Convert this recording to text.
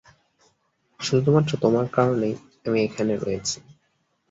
শুধুমাত্র তোমার কারণেই আমি এখানে রয়েছি।